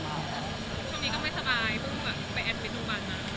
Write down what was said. ช่วงนี้ก็ไม่ทรมานแบบไปเป็นรูปบ้านนะ